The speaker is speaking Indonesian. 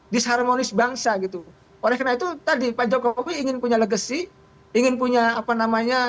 disharmonis bangsa gitu oleh karena itu tadi pak jokowi ingin punya legacy ingin punya apa namanya